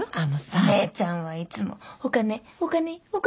お姉ちゃんはいつもお金お金お金。